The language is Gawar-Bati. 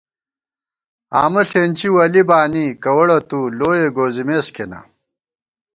آمہ ݪېنچی ولی بانی کوَڑہ تُو لوئےگوزِمېس کېنا